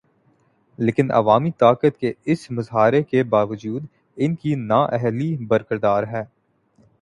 لیکن عوامی طاقت کے اس مظاہرے کے باوجود ان کی نااہلی برقرار ہے۔